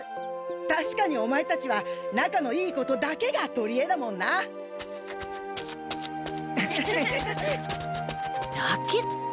たしかにオマエたちは仲のいいことだけがとりえだもんな！だけって。